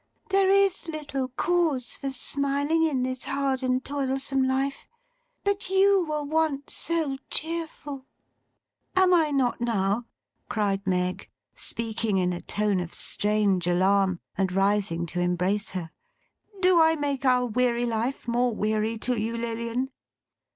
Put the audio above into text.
There is little cause for smiling in this hard and toilsome life, but you were once so cheerful.' 'Am I not now!' cried Meg, speaking in a tone of strange alarm, and rising to embrace her. 'Do I make our weary life more weary to you, Lilian!